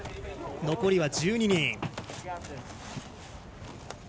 残りは１２人。